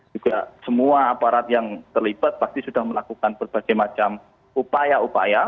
juga semua aparat yang terlibat pasti sudah melakukan berbagai macam upaya upaya